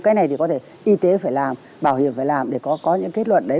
cái này thì có thể y tế phải làm bảo hiểm phải làm để có những kết luận đấy